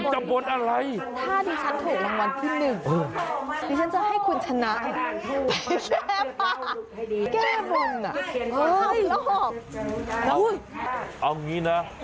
เฮ้ยเดี๋ยวนะคุณใจเย็นนะ